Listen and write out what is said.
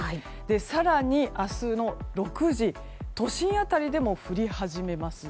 更に明日の６時都心辺りでも降り始めます。